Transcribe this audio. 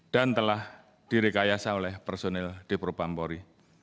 dan telah direkayasa oleh personil di propam bori